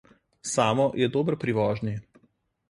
Samo je dober pri vožnji.